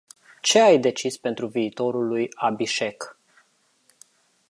Ce ai decis pentru viitorul lui Abhishek?